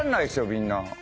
みんな。